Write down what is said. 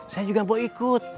saya juga mau ikut